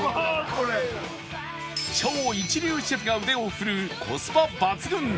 超一流シェフが腕を振るうコスパ抜群デカ盛り